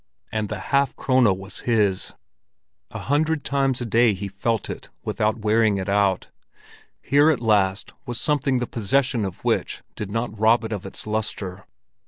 And the half krone was his! A hundred times a day he felt it without wearing it out. Here at last was something the possession of which did not rob it of its lustre.